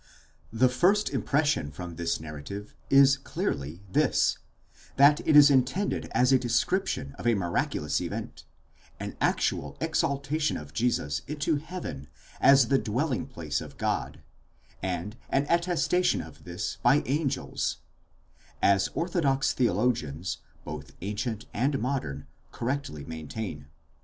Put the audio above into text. The first impression from this narrative is clearly this: that it is intended as a description of a miraculous event, an actual exaltation of Jesus into heaven, as the dwelling place of God, and an attestation of this by angels ; as orthodox theologians, both ancient and modern, correctly maintain.